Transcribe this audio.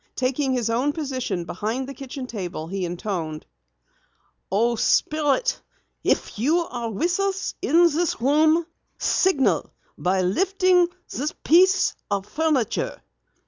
Taking his own position behind the kitchen table, he intoned: "Oh, Spirit, if you are with us in the room, signal by lifting this piece of furniture."